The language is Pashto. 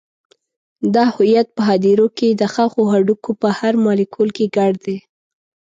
دا هویت په هدیرو کې د ښخو هډوکو په هر مالیکول کې ګډ دی.